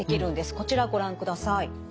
こちらご覧ください。